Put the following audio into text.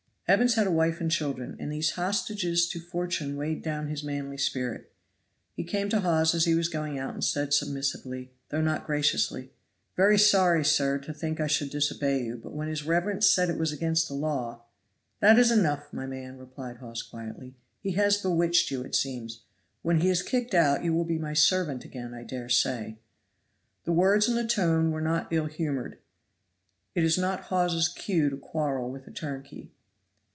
Evans had a wife and children, and these hostages to fortune weighed down his manly spirit. He came to Hawes as he was going out and said submissively, though not graciously: "Very sorry, sir, to think I should disobey you, but when his reverence said it was against the law " "That is enough, my man," replied Hawes quietly; "he has bewitched you, it seems. When he is kicked out you will be my servant again, I dare say." The words and the tone were not ill humored. It was not Hawes's cue to quarrel with a turnkey.